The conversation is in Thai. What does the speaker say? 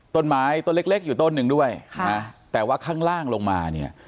ต้นไม้ต้นเล็กเล็กอยู่ต้นหนึ่งด้วยค่ะแต่ว่าข้างล่างลงมาเนี่ย